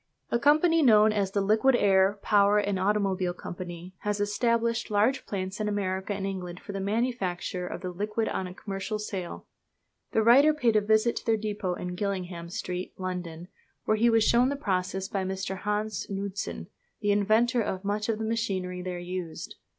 A company, known as the Liquid Air, Power and Automobile Company, has established large plants in America and England for the manufacture of the liquid on a commercial scale. The writer paid a visit to their depot in Gillingham Street, London, where he was shown the process by Mr. Hans Knudsen, the inventor of much of the machinery there used.